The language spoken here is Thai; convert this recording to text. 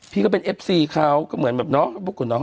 พี่ก็เป็นเอฟซีเขาเหมือนแบบน้องพวกคุณน้อง